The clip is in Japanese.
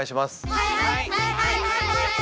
はい。